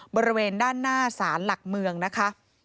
บริเวณด้านหน้าสารหลักเมืองนะคะ